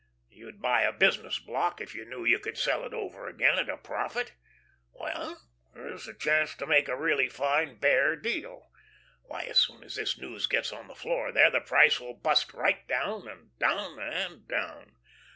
You'd buy a business block if you knew you could sell it over again at a profit. Now here's the chance to make really a fine Bear deal. Why, as soon as this news gets on the floor there, the price will bust right down, and down, and down.